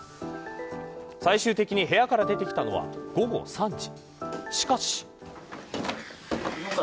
最終的に部屋から出てきたのは午後３時。